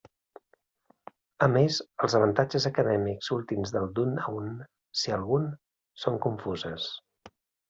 A més, els avantatges acadèmics últims del d'un a un, si algun, són confuses.